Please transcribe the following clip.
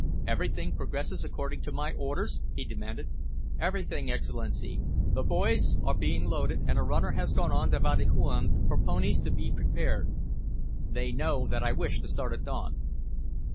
"Everything progresses according to my orders?" he demanded. "Everything, Excellency! The boys are being loaded, and a runner has gone on to Wadihuan for ponies to be prepared." "They know that I wish to start at dawn?"